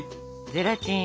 ゼラチン。